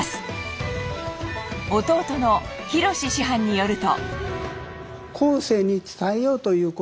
弟の宏師範によると。